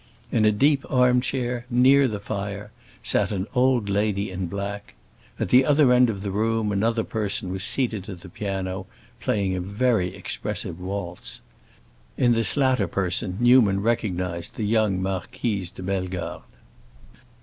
In a deep armchair, near the fire, sat an old lady in black; at the other end of the room another person was seated at the piano, playing a very expressive waltz. In this latter person Newman recognized the young Marquise de Bellegarde.